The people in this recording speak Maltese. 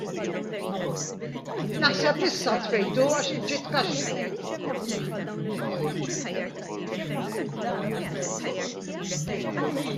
Bosta familji Żabbarin jinsabu ddiżappuntati li Ħaż - Żabbar spiċċa mingħajr bandli.